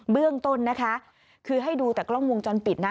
เบื้องต้นนะคะคือให้ดูแต่กล้องวงจรปิดนะ